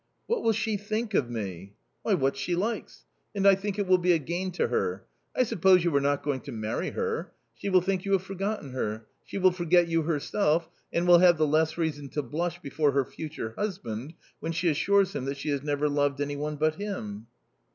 " What will she think of me ?"" Why what she likes,, ' And I think it will be a gain to her. I suppose you are not going to marry her? She will think you have forgotten her. She will forget you herself and will have the less reason to blush before her future husband, when she assures him that she has never loved any one but him."